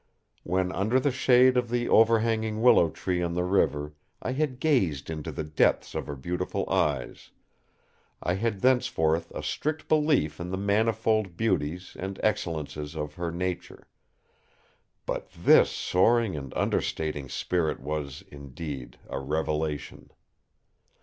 When under the shade of the overhanging willow tree on the river, I had gazed into the depths of her beautiful eyes, I had thenceforth a strict belief in the manifold beauties and excellences of her nature; but this soaring and understanding spirit was, indeed, a revelation.